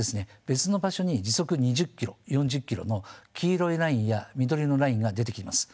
別の場所に時速２０ｋｍ４０ｋｍの黄色いラインや緑のラインが出てきます。